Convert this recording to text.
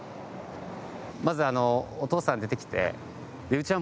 まずお父さん出てきて。